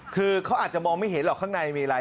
คือเขาอาจจะมองไม่เห็นหรอกข้างในมีอะไร